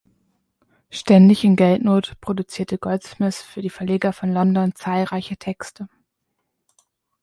Ständig in Geldnot, produzierte Goldsmith für die Verleger von London zahlreiche Texte.